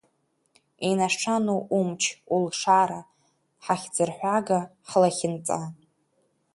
Инашаноу умч, улшара, ҳахьӡырҳәага, ҳлахьынҵа.